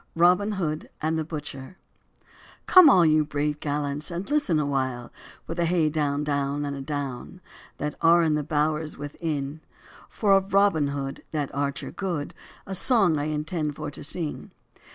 ROBIN HOOD AND THE BUTCHER COME, all you brave gallants, and listen awhile, With hey down, down, an a down, That are in the bowers within; For of Robin Hood, that archer good, A song I intend for to sing.